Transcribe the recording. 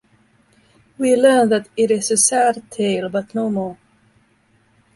We learn that it is a "sad tale" but no more.